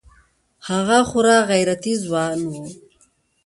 هغه خورا غيرتي ځوان و.